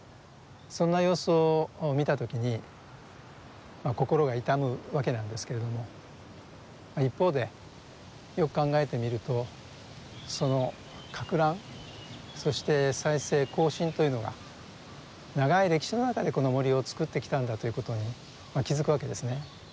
そんな様子を見た時に心が痛むわけなんですけれども一方でよく考えてみるとその攪乱そして再生更新というのが長い歴史の中でこの森を作ってきたんだということに気付くわけですね。